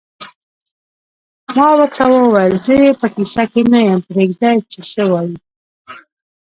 ما ورته وویل: زه یې په کیسه کې نه یم، پرېږده چې څه وایې.